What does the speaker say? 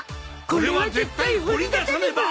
これは絶対掘り出さねば！